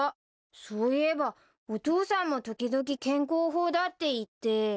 そういえばお父さんも時々健康法だって言って。